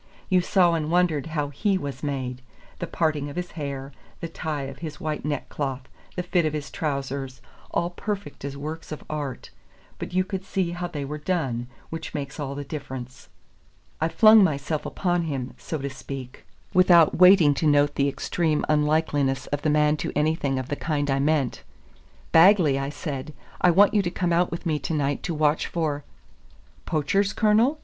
You saw and wondered how he was made: the parting of his hair, the tie of his white neckcloth, the fit of his trousers, all perfect as works of art; but you could see how they were done, which makes all the difference. I flung myself upon him, so to speak, without waiting to note the extreme unlikeness of the man to anything of the kind I meant. "Bagley," I said, "I want you to come out with me to night to watch for " "Poachers, Colonel?"